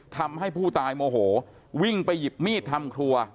ทำให้ผู้ตายโมโหวิ่งไปหยิบมีดทำครัว